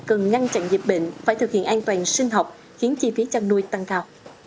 cần ngăn chặn dịch bệnh phải thực hiện an toàn sinh học khiến chi phí chăn nuôi tăng cao